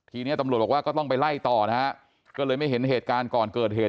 ทีนี้ตำรวจบอกว่าก็ต้องไปไล่ต่อนะฮะก็เลยไม่เห็นเหตุการณ์ก่อนเกิดเหตุ